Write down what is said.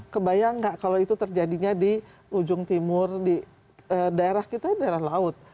kebayang nggak kalau itu terjadinya di ujung timur di daerah kita di daerah laut